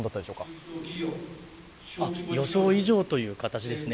予想以上という形ですね。